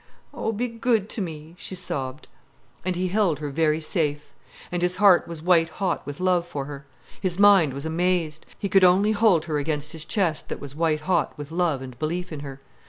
"Oh, be good to me," she sobbed. And he held her very safe, and his heart was white hot with love for her. His mind was amazed. He could only hold her against his chest that was white hot with love and belief in her.